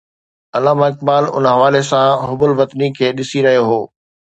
علامه اقبال ان حوالي سان حب الوطني کي ڏسي رهيو هو.